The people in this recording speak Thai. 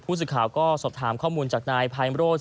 สื่อข่าวก็สอบถามข้อมูลจากนายพายโรธ